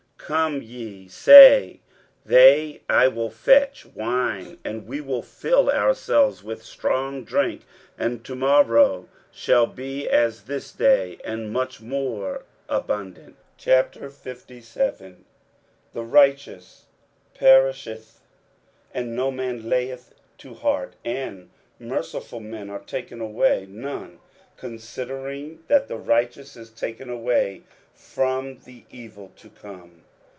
23:056:012 Come ye, say they, I will fetch wine, and we will fill ourselves with strong drink; and to morrow shall be as this day, and much more abundant. 23:057:001 The righteous perisheth, and no man layeth it to heart: and merciful men are taken away, none considering that the righteous is taken away from the evil to come.